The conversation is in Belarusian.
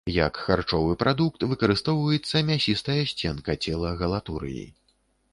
Як харчовы прадукт выкарыстоўваецца мясістая сценка цела галатурыі.